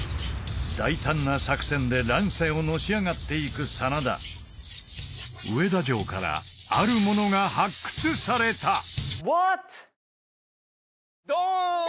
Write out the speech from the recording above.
大胆な作戦で乱世をのし上がっていく真田上田城からあるものが発掘された！